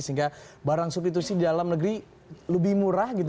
sehingga barang substitusi di dalam negeri lebih murah gitu